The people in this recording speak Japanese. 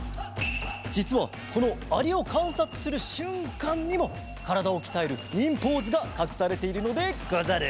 じつはこのアリをかんさつするしゅんかんにもからだをきたえる忍ポーズがかくされているのでござる。